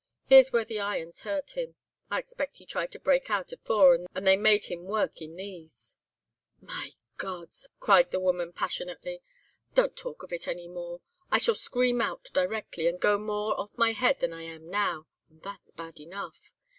Here's where the irons hurt him; I expect he tried to break out afore, and they made him work in these.' "'My God!' cried the woman, passionately; 'don't talk of it any more. I shall scream out directly, and go more off my head than I am now, and that's bad enough.